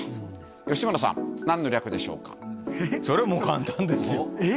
吉村さん、それはもう簡単ですよ。